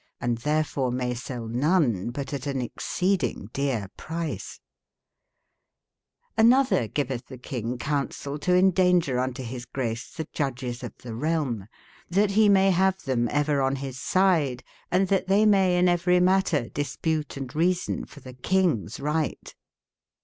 Hnd tberefore maye sel none but at an exceding dere pry ce* Hn otber givetb tbe kynge counsel toendaunger unto bis grace tbe judges of tbe realm e, tbat be maye bave tbem ever on bis side, and tbat tbey maye in everyematterdesputeandreasonfortbe kynges rigbt.